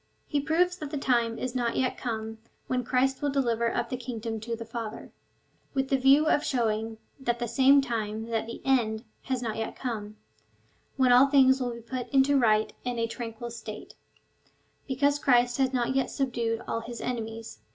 He proves that tlie time is not yet come when Christ will deliver up the kingdom to the Father, with the view of showing at the same time that the end has not yet come, when all things will be put into a right and tranquil state, because Christ has not yet subdued all his enemies.